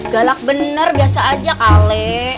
galak bener biasa aja kale